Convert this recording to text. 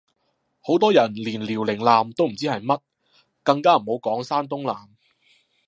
好多人連遼寧艦都唔知係乜，更加唔好講山東艦